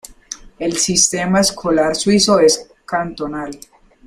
El sistema escolar suizo es cantonal.